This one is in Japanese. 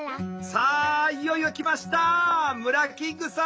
さあいよいよ来ましたムラキングさん。